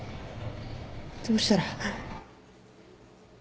どうしたら。